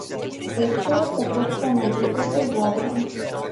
Овчарот се потпре на дрвото и задрема.